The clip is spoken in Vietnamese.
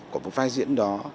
của một vai diễn đó